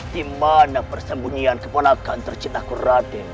dimana persembunyian keponakan tercintaku raden